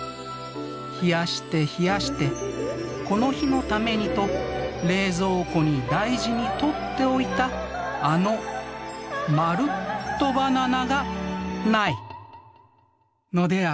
冷やして冷やしてこの日のためにと冷蔵庫に大事にとっておいたあのまるっとバナナがないのである。